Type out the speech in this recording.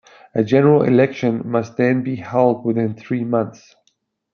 A general election must then be held within three months.